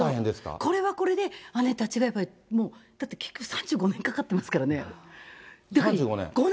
これはこれで、姉たちがもうだって結局３５年かかってますか３５年？